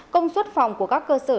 công suất phòng của các cơ sở